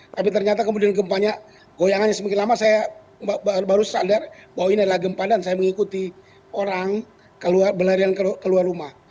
tapi ternyata kemudian gempanya goyangannya semakin lama saya baru sadar bahwa ini adalah gempa dan saya mengikuti orang berlarian keluar rumah